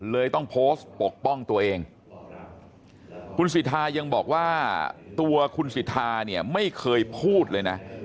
เลยต้องโพสต์ปกป้องตัวเองคุณสิทธายังบอกว่าตัวคุณสิทธาเนี่ยไม่เคยพูดเลยนะ